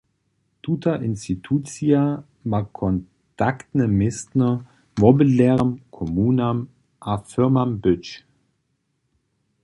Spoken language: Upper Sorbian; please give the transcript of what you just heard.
Tuta institucija ma kontaktne městno wobydlerjam, komunam a firmam być.